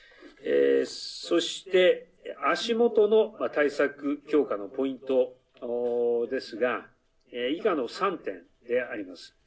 そして足もとの対策強化のポイントですが、以下の３点であります。